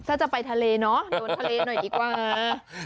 ถ้าจะไปทะเลเนอะโดนทะเลหน่อยดีกว่า